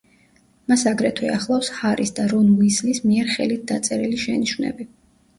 მას აგრეთვე ახლავს ჰარის და რონ უისლის მიერ ხელით დაწერილი შენიშვნები.